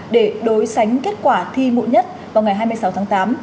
để đối sánh kết quả thi muộn nhất vào ngày hai mươi sáu tháng tám